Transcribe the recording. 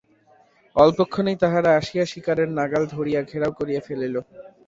অল্পক্ষণেই তাহারা আসিয়া শিকারের নাগাল ধরিয়া ঘেরাও করিয়া ফেলিল।